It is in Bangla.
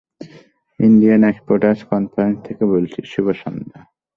ইন্ডিয়ান এক্সপোর্টার্স কনফারেন্স থেকে বলছি শুভ সন্ধ্যা!